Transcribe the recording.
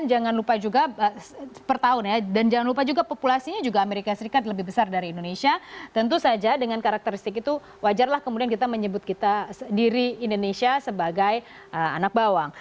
jangan lupa juga per tahun ya dan jangan lupa juga populasinya juga amerika serikat lebih besar dari indonesia tentu saja dengan karakteristik itu wajarlah kemudian kita menyebut kita diri indonesia sebagai anak bawang